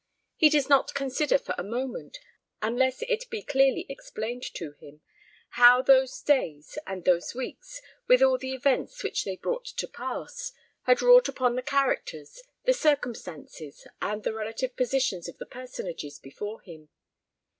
He does not consider for one moment, unless it be clearly explained to him, how those days and those weeks, with all the events which they brought to pass, had wrought upon the characters, the circumstances, and the relative positions of the personages before him.